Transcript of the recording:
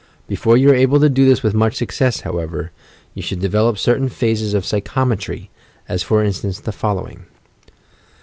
Before you are able to do this with much success, however, you should develop certain phases of psyehometry, — as for instance the following.